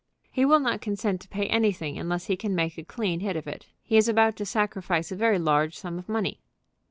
"He will not consent to pay anything unless he can make a clean hit of it. He is about to sacrifice a very large sum of money."